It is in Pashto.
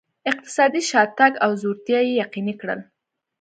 اقتصادي شاتګ او ځوړتیا یې یقیني کړل.